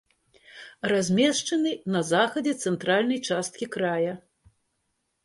Размешчаны на захадзе цэнтральнай часткі края.